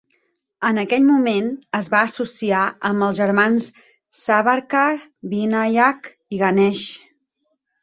En aquell moment es va associar amb els germans Savarkar, Vinayak i Ganesh.